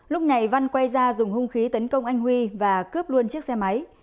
lúc này văn quay ra dùng hung khí tấn công anh huy và cướp luôn chiếc xe máy